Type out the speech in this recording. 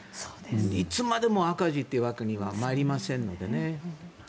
いつまでも赤字というわけにはまいりませんのでね。